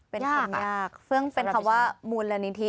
เป็นคำยากเพิ่งเป็นคำว่ามูลละนิทิ